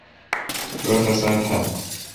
وی خسا تھال۔